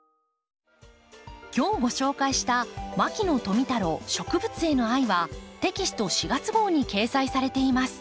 今日ご紹介した「牧野富太郎植物への愛」はテキスト４月号に掲載されています。